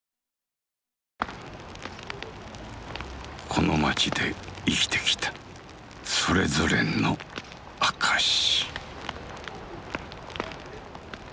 この街で生きてきたそれぞれの証し。